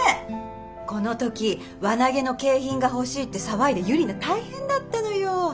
この時輪投げの景品が欲しいって騒いでユリナ大変だったのよ。